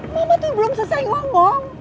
mama tuh belum selesai ngomong